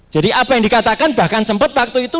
jadi apa yang dikatakan bahkan sempat waktu itu